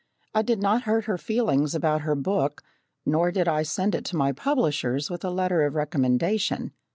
I did not hurt her feelings about her book, nor did I send it to my publishers with a letter of recommendation.